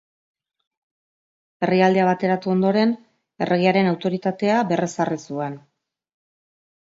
Herrialdea bateratu ondoren, erregearen autoritatea berrezarri zuen.